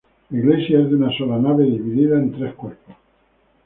La iglesia es de una sola nave, dividida en tres cuerpos.